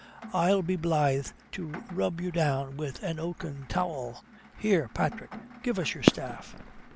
I'll be blithe to rub you down with an oaken towel. Here, Patrick, give us your staff."